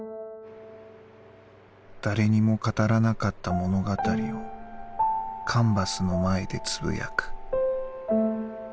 「誰にも語らなかった物語をカンバスの前で呟く」。